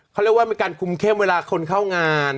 เขาเรียกว่าอย่าให้กับคุมเข้มเวลาคนเข้างาน